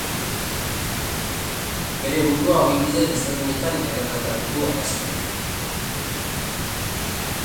Bere burua ogibide desberdinetan erretratatu du argazkilariak.